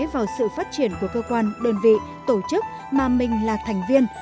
vào sự phát triển của cơ quan đơn vị tổ chức mà mình là thành viên